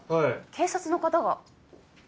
警察の方が。